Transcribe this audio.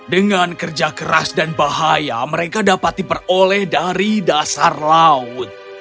dengan kerja keras dan bahaya mereka dapat diperoleh dari dasar laut